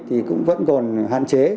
thì cũng vẫn còn hạn chế